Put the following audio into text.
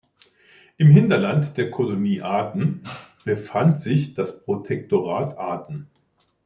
Im Hinterland der Kolonie Aden befand sich das Protektorat Aden.